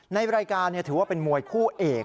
ในรายการถือว่าเป็นมวยคู่เอก